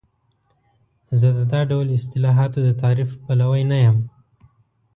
زه د دا ډول اصطلاحاتو د تعریف پلوی نه یم.